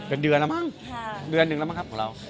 เป็นเดือนละมั่งั่นเดือนมากครับเรา